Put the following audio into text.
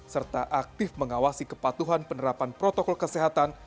serta aktif mengawasi kepatuhan penerapan protokol kesehatan